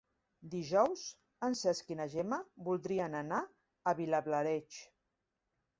Dijous en Cesc i na Gemma voldrien anar a Vilablareix.